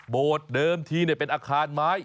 เดิมทีเป็นอาคารไม้